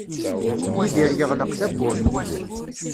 Yidir yeɣleq tawwurt.